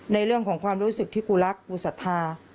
ในเรื่องของความรู้สึกที่กูรักกูศรัทธา